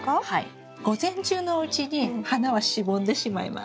午前中のうちに花はしぼんでしまいます。